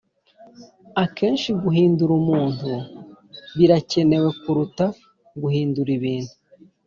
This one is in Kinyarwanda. “akenshi guhindura umuntu birakenewe kuruta guhindura ibintu.